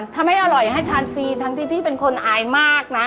ถ้าไม่อร่อยให้ทานฟรีทั้งที่พี่เป็นคนอายมากนะ